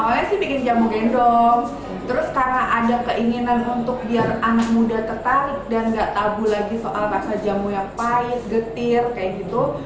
awalnya sih bikin jamu gendong terus karena ada keinginan untuk biar anak muda tertarik dan gak tabu lagi soal rasa jamu yang pahit getir kayak gitu